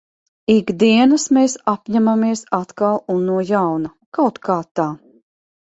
Ik dienas mēs apņemamies atkal un no jauna. Kaut kā tā.